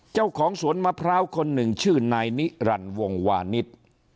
เจ้าของสวนมะพร้าวคนหนึ่งชื่อนายนิรันดิ์วงวานิส